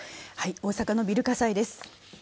大阪のビル火災です。